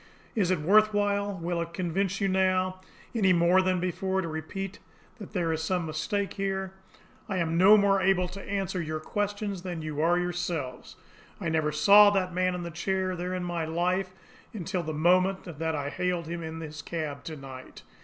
"Is it worth while, will it convince you now, any more than before, to repeat that there is some mistake here? I am no more able to answer your questions than you are yourselves. I never saw that man in the chair there in my life until the moment that I hailed him in his cab to night.